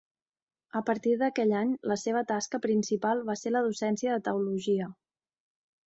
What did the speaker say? A partir d'aquell any la seva tasca principal va ser la docència de teologia.